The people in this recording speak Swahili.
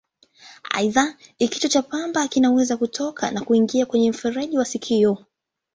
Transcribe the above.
Aidha, kichwa cha pamba kinaweza kutoka na kuingia kwenye mfereji wa sikio.